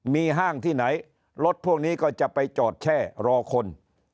มีห้างที่ไหนรถพวกนี้ก็จะไปจอดแช่รอคน